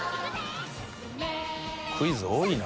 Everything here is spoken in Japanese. クイズ多いな。